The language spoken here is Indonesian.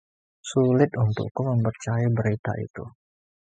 Sulit untukku mempercayai berita itu.